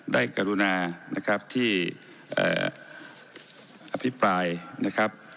กรุณานะครับที่อภิปรายนะครับ